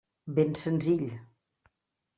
Ben senzill.